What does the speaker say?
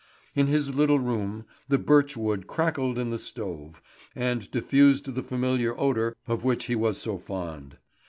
In his little room, the birch wood crackled in the stove, and diffused the familiar odour of which he was so fond.